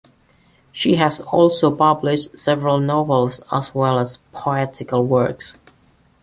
She has also published seven novels as well as poetical works.